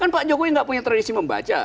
kan pak jokowi nggak punya tradisi membaca